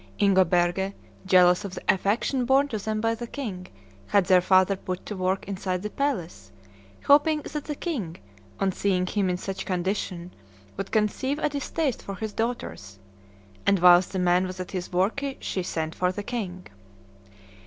Ingoberge, jealous of the affection borne to them by the king, had their father put to work inside the palace, hoping that the king, on seeing him in such condition, would conceive a distaste for his daughters; and, whilst the man was at his work, she sent for the king.